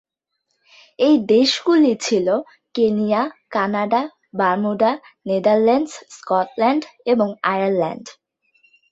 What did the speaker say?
এই দেশগুলি ছিল Kenya, Canada, Bermuda, Netherlands, Scotland এবং আয়ারল্যান্ড।